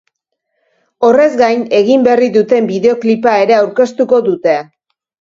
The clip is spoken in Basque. Horrez gain, egin berri duten bideoklipa ere aurkeztuko dute.